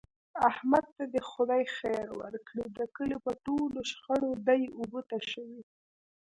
احمد ته دې خدای خیر ورکړي د کلي په ټولو شخړو دی اوبه تشوي.